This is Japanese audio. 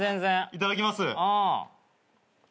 いただきます。